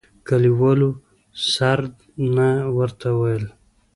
کلیوالو سردنه ورته ويل.